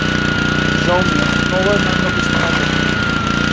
Жал ми е, но ова е најмногу што можеме.